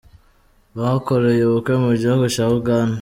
Bakoreye ubukwe mu gihugu cya Uganda.